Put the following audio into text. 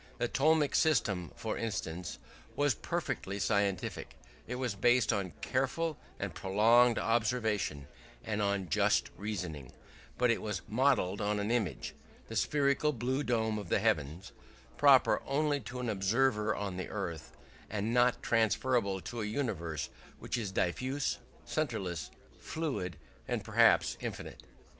The Ptolemaic system, for instance, was perfectly scientific; it was based on careful and prolonged observation and on just reasoning; but it was modelled on an image the spherical blue dome of the heavens proper only to an observer on the earth, and not transferable to a universe which is diffuse, centreless, fluid, and perhaps infinite.